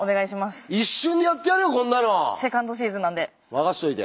任しといて。